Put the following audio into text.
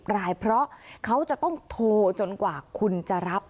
รายเพราะเขาจะต้องโทรจนกว่าคุณจะรับ